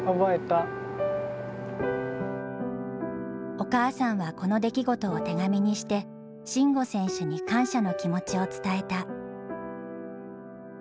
お母さんはこの出来事を手紙にして慎吾選手に感謝の気持ちを伝えた。